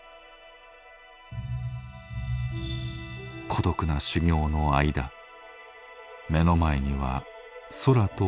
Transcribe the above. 孤独な修行の間目の前には空と海ばかり。